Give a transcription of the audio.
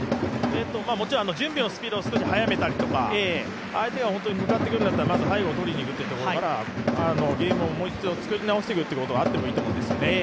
もちろん準備のスピード速めたりとか相手が向かってくるんだったらまず背後をとりにいくというところからゲームをもう一度、作り直すということがあってもいいと思うんですね。